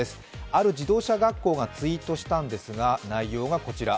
ある自動車学校がツイートしたんですが、内容がこちら。